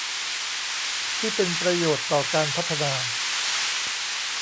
ที่เป็นประโยชน์ต่อการพัฒนา